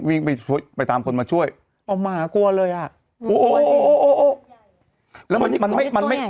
มันยังไงกันอ่ะ